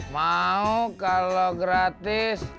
mau kalau gratis